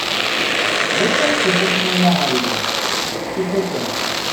D acu i k-ixuṣṣen ay aεeryan? D tixutam!